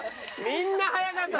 みんな速かった。